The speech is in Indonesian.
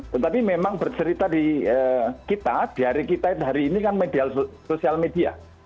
tetapi memang bercerita di kita di hari kita hari ini kan media sosial media